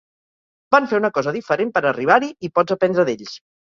Van fer una cosa diferent per arribar-hi i pots aprendre d'ells.